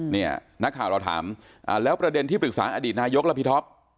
เนี่ยนักข่าวเราถามแล้วประเด็นที่ปรึกษาอดีตนายกและพี่ท็อป